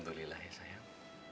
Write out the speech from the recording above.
terima kasih sayang